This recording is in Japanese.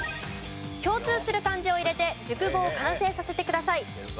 共通する漢字を入れて熟語を完成させてください。